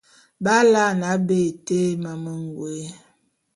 B’alaene aba été mamə ngôé.